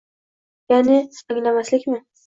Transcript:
ya’ni anglamaslikmi?